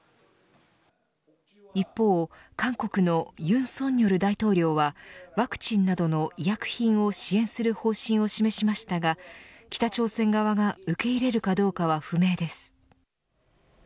一方、韓国の尹錫悦大統領はワクチンなどの医薬品を支援する方針を示しましたが北朝鮮側が受け入れるかどうかは不明です。